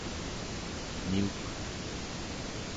niuk